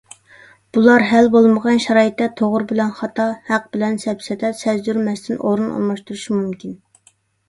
بۇلار ھەل بولمىغان شارائىتتا توغرا بىلەن خاتا، ھەق بىلەن سەپسەتە سەزدۇرمەستىن ئورۇن ئالماشتۇرۇشى مۇمكىن.